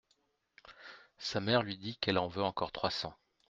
Sa mère lui dit qu'elle en veut encore trois cents.